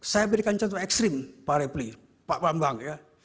saya berikan contoh ekstrim pak repli pak bambang ya